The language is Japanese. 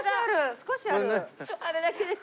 少しある！